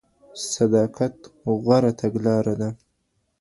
صداقت غوره تګلاره ده.